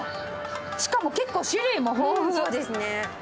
しかも結構種類も豊富。